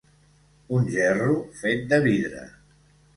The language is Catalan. Un gerro fet de vidre.